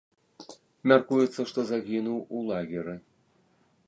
Мяркуецца, што загінуў у лагеры.